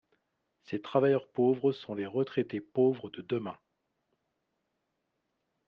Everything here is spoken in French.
Ces travailleurs pauvres sont les retraités pauvres de demain.